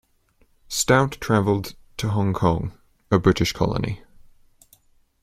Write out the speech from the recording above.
Stout traveled to Hong Kong, a British colony.